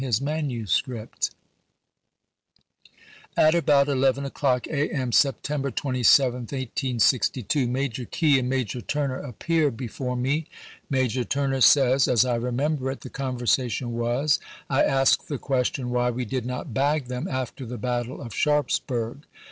his manuscript : At about eleven o'clock A. M., September 27th, 1862, Major Key and Major Turner appear before me. Major Turner says : ''As I remember it, the conversation was, I asked the question why we did not bag them after the battle of Sharpsburg.